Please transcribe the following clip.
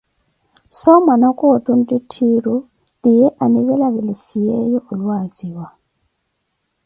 so mwanaka otu nttiitthi tiye anivelavelisiyeeyo olwaziwa.